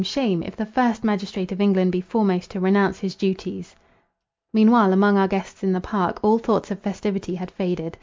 shame! if the first magistrate of England be foremost to renounce his duties." Meanwhile among our guests in the park, all thoughts of festivity had faded.